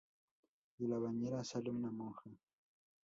De la bañera sale una monja.